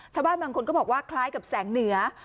ชาวบ้านบางคนก็บอกว่าคล้ายกับแสงเหนือ